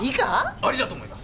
ありだと思います！